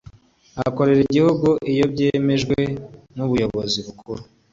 akorera igihugu iyobyemejwe n ‘ubuyobozi bukuru.